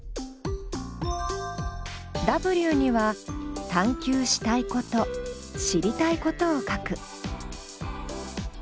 Ｗには探究したいこと知りたいことを書く。